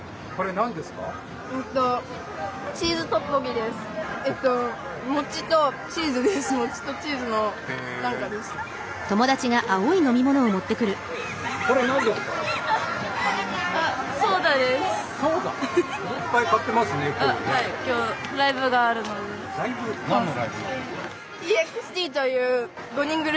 何のライブなんですか？